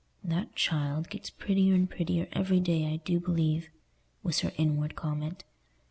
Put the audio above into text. "That child gets prettier and prettier every day, I do believe," was her inward comment.